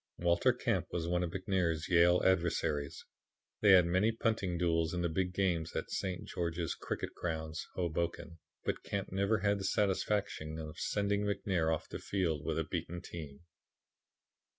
"Walter Camp was one of McNair's Yale adversaries. They had many punting duels in the big games at St. George's Cricket Grounds, Hoboken, but Camp never had the satisfaction of sending McNair off the field with a beaten team."